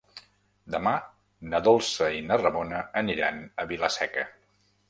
Demà na Dolça i na Ramona aniran a Vila-seca.